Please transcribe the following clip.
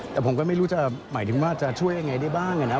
แต่ผมก็ไม่รู้จะหมายถึงว่าจะช่วยยังไงได้บ้างนะ